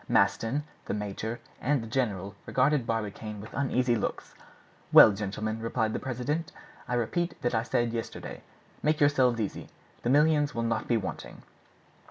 Maston, the major, and the general regarded Barbicane with uneasy looks. "Well, gentlemen," replied the president, "I repeat what I said yesterday. Make yourselves easy; the millions will not be wanting."